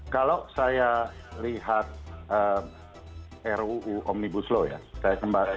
kalau saya lihat ruu omnibus law ya